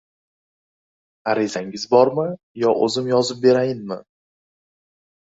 Arizangiz bormi, yo, o‘zim yozib berayinmi?